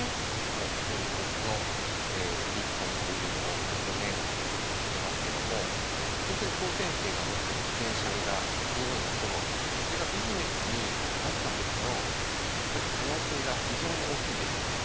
もうほんとに僕このＤＣＯＮっていうのをもう４年やってますけどもほんとに高専生が持ってるポテンシャルがすごいのとそれがビジネスになった時のやっぱり可能性が非常に大きいですよね。